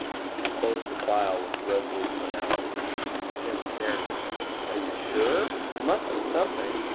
She closed the file with resolute finality. Jim stared at her. "Are you sure? There must be something.